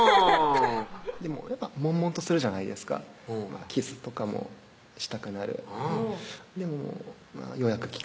でもやっぱもんもんとするじゃないですかキスとかもしたくなるうんでも予約期間